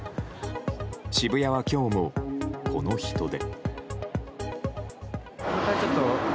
渋谷は今日もこの人出。